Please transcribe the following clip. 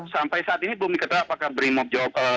sampai saat ini belum diketahui apakah brimob jauh